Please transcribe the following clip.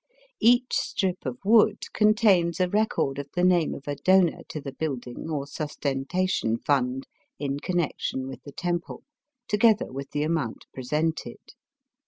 Each strip of wood con tains a record of the name of a donor to the building or sustentation fund in connection with the temple, together with the amount presented.